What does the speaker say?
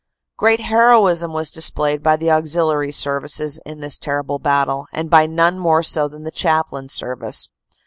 Great heroism was displayed by the auxiliary services in this terrible battle, and by none more so than the Chaplain Service.